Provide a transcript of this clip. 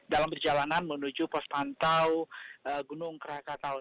dalam perjalanan menuju pospantau gunung rakatao